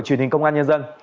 truyền hình công an nhân dân